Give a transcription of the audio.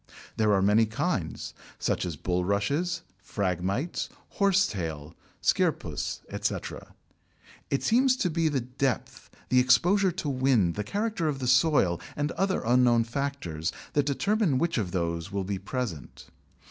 There are many kinds, such as Bulrushes, Phragmites, Horsetail, Scirpus, etc. It seems to be the depth, the exposure to wind, the character of the soil, and other unknown factors, that determine which of those will be present.